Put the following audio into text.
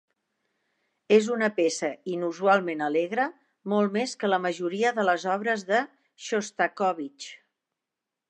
És una peça inusualment alegre, molt més que la majoria de les obres de Xostakóvitx.